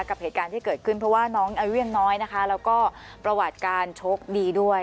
กับเหตุการณ์ที่เกิดขึ้นเพราะว่าน้องอายุยังน้อยนะคะแล้วก็ประวัติการโชคดีด้วย